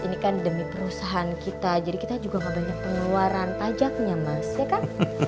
ini kan demi perusahaan kita jadi kita juga gak banyak pengeluaran pajaknya mas ya kan